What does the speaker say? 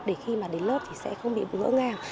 để khi mà đến lớp thì sẽ không bị ngỡ ngàng